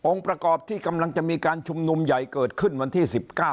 ประกอบที่กำลังจะมีการชุมนุมใหญ่เกิดขึ้นวันที่๑๙